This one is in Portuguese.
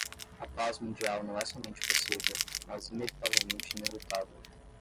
A paz mundial não é somente possível, mas inevitavelmente inelutável.